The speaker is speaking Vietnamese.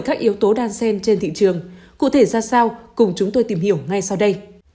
các yếu tố đan sen trên thị trường cụ thể ra sao cùng chúng tôi tìm hiểu ngay sau đây